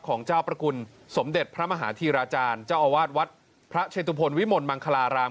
ของเจ้าประกุลสมเด็จพระมหาธีราจารย์เจ้าอาวาสวัดพระเชตุพลวิมลมังคลาราม